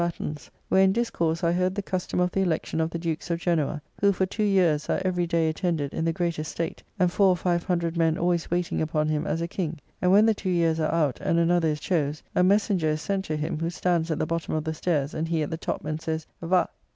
Batten's, where in discourse I heard the custom of the election of the Dukes of Genoa, who for two years are every day attended in the greatest state; and four or five hundred men always waiting upon him as a king; and when the two years are out, and another is chose, a messenger is, sent to him, who stands at the bottom of the stairs, and he at the top, and says, "Va.